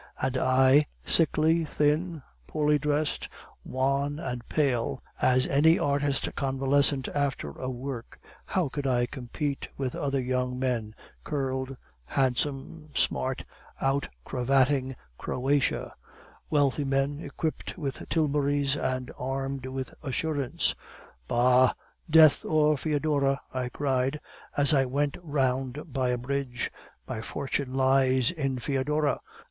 And I, sickly, thin, poorly dressed, wan and pale as any artist convalescent after a work, how could I compete with other young men, curled, handsome, smart, outcravatting Croatia; wealthy men, equipped with tilburys, and armed with assurance? "'Bah, death or Foedora!' I cried, as I went round by a bridge; 'my fortune lies in Foedora.